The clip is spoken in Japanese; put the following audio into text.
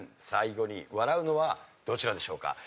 最後に笑うのはどちらでしょうか？